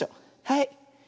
はい。